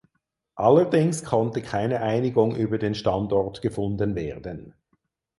Allerdings konnte keine Einigung über den Standort gefunden werden.